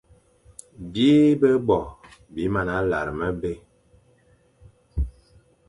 Bîe-be-bo bi mana lar mebé ;